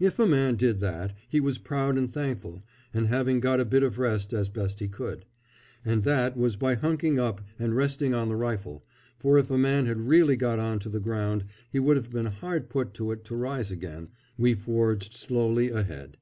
If a man did that he was proud and thankful, and having got a bit of rest as best he could and that was by hunking up and resting on the rifle, for if a man had really got on to the ground he would have been hard put to it to rise again we forged slowly ahead.